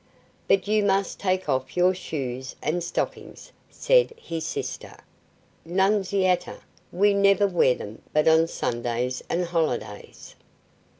"But you must take off your shoes and stockings," said his sister, Nunziata; "we never wear them but on Sundays and holidays."